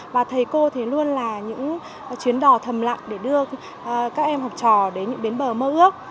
và thầy cô thì luôn là những chuyến đò thầm lặng để đưa các em học trò đến những bến bờ mơ ước